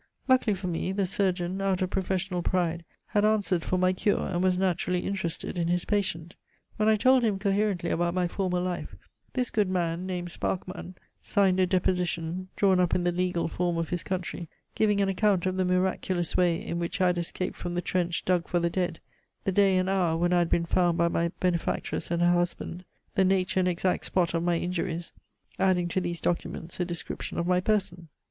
Luckily for me, the surgeon, out of professional pride, had answered for my cure, and was naturally interested in his patient. When I told him coherently about my former life, this good man, named Sparchmann, signed a deposition, drawn up in the legal form of his country, giving an account of the miraculous way in which I had escaped from the trench dug for the dead, the day and hour when I had been found by my benefactress and her husband, the nature and exact spot of my injuries, adding to these documents a description of my person.